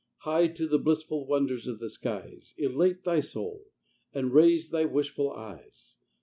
High to the blissful wonders of the skies Elate thy soul, and raise thy wishful eyes.